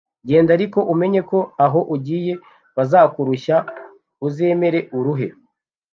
Genda ariko umenye ko aho ugiye bazakurushya, uzemere uruhe.